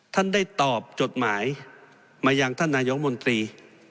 ท่านได้ตอบจดหมายมายังท่านนายกมนตรี